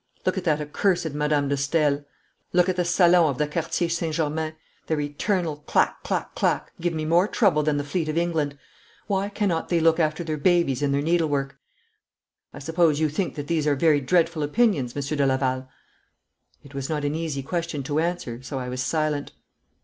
Look at that accursed Madame de Stael! Look at the Salons of the Quartier St. Germain! Their eternal clack, clack, clack give me more trouble than the fleet of England. Why cannot they look after their babies and their needlework? I suppose you think that these are very dreadful opinions, Monsieur de Laval?' It was not an easy question to answer, so I was silent.